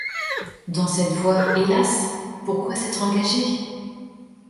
Dans cette voie, hélas ! pourquoi s’être engagé !